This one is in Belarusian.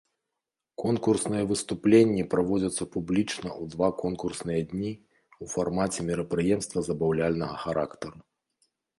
Конкурсныя выступленні праводзяцца публічна ў два конкурсныя дні ў фармаце мерапрыемства забаўляльнага характару.